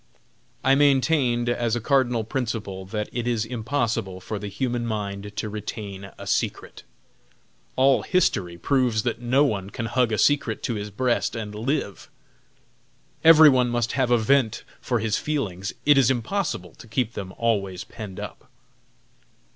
I maintained, as a cardinal principle, that it is impossible for the human mind to retain a secret. All history proves that no one can hug a secret to his breast and live. Everyone must have a vent for his feelings. It is impossible to keep them always penned up.